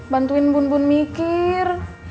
bantuin bun bun mikir